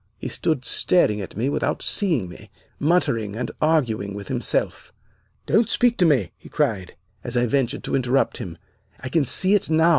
"He stood staring at me without seeing me, muttering, and arguing with himself. "'Don't speak to me,' he cried, as I ventured to interrupt him. 'I can see it now.